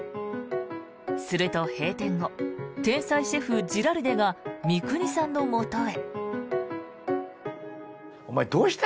すると、閉店後天才シェフ、ジラルデが三國さんのもとへ。